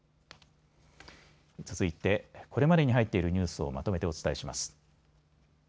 続いて、これまでに入っているニュースをまとめてお伝えします。